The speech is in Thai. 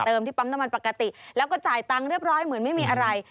ที่ปั๊มน้ำมันปกติแล้วก็จ่ายตังค์เรียบร้อยเหมือนไม่มีอะไร